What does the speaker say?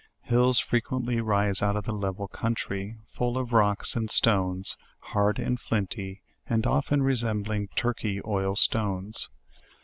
Hills frequently rise out of the level country, full of rocks and 198 JOURNAL OF stones, hard and flinty, and often resembling Turkey oil stones.